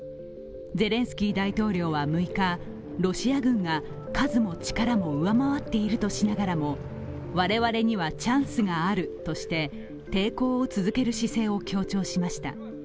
ゼレンスキー大統領は６日、ロシア軍が数も力も上回っているとしながらも我々にはチャンスがあるとして抵抗を続ける姿勢を強調しました。